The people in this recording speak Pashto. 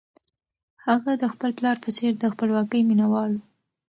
هغه د خپل پلار په څېر د خپلواکۍ مینه وال و.